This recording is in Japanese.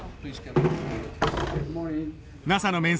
ＮＡＳＡの面接